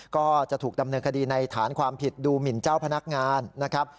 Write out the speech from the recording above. ก็จะถูกดำเนินคดีในฐานความผิดดูหมินเจ้าพนักงานนะครับ